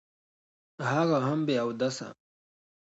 هغه هم بې اوداسه.